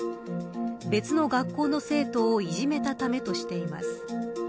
別の学校の生徒をいじめたためとしています。